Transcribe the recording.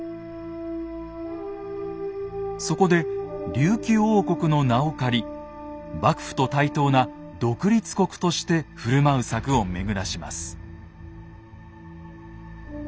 そこで琉球王国の名を借り幕府と対等な独立国として振る舞う策を巡らします。